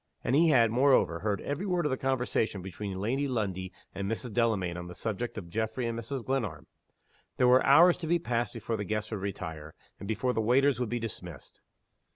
And he had, moreover, heard every word of the conversation between Lady Lundie and Mrs. Delamayn on the subject of Geoffrey and Mrs. Glenarm. There were hours to be passed before the guests would retire, and before the waiters would be dismissed.